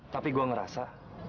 tapi gua ngerasa